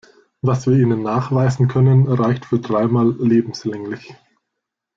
Was wir Ihnen nachweisen können, reicht für dreimal lebenslänglich.